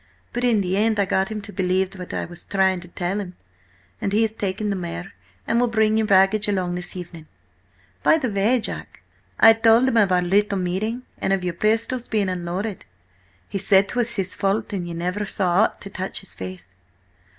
But in the end I got him to believe what I was trying to tell him, and he has taken the mare, and will bring your baggage along this evening. By the way, John, I told him of our little meeting, and of your pistols being unloaded. He said 'twas his fault, and ye never saw aught to touch his face!